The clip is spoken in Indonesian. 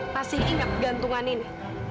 pasti ingat gantungan ini